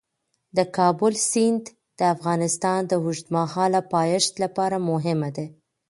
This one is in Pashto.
د کابل سیند د افغانستان د اوږدمهاله پایښت لپاره مهم دی.